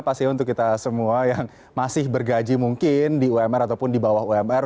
pastinya untuk kita semua yang masih bergaji mungkin di umr ataupun di bawah umr